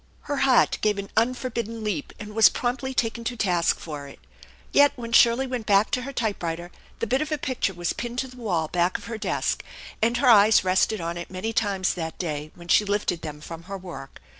* Her heart gave an unforbidden leap, and was promptly taken to task for it. Yet when Shirley went back to her typewriter the bit of a picture was pinned to the wall back of her desk, and her eyes rested on it many times that day when she lifted them from her work.